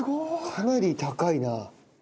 かなり高いな。